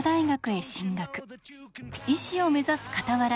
医師を目指すかたわら